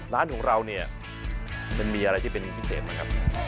ร้านของเราเนี่ยมันมีอะไรที่เป็นพิเศษไหมครับ